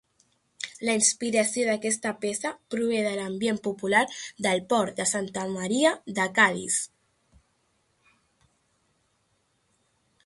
La inspiració d'aquesta peça prové de l'ambient popular del Port de Santa Maria de Cadis.